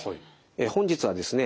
本日はですね